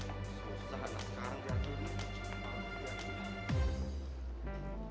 susah nah sekarang biar gini